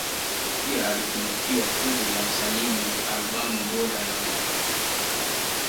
Pia alitunukiwa tuzo ya msanii mwenye albamu bora ya mwaka